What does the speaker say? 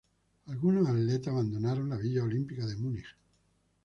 Algunos atletas abandonaron la villa olímpica de Múnich.